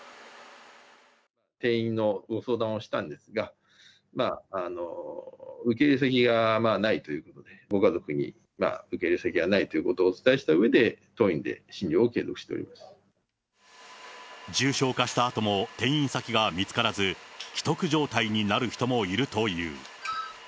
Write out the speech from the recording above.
転院のご相談をしたんですが、受け入れ先がないということで、ご家族に、受け入れ先がないということをお伝えしたうえで、重症化したあとも、転院先が見つからず、危篤状態になる人もいるという。